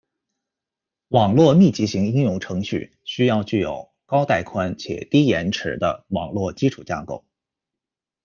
网络密集型应用程序需要具有高带宽且低延迟的网络基础架构。